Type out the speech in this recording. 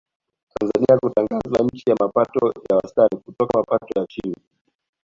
Tanzania kutangazwa nchi ya mapato ya wastani kutoka mapato ya chini